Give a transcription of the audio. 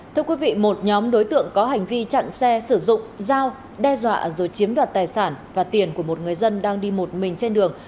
thưa quý vị một nhóm đối tượng có hành vi chặn xe sử dụng dao đe dọa rồi chiếm đoạt tài sản và tiền của một người dân đang đi một mình trên đường